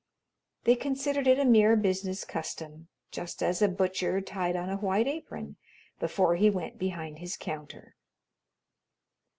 They considered it a mere business custom, just as a butcher tied on a white apron before he went behind his counter.